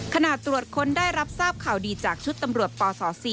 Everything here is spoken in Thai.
ตรวจค้นได้รับทราบข่าวดีจากชุดตำรวจปศ๔